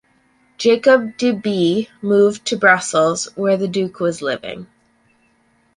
Jacob de Bie moved to Brussels where the Duke was living.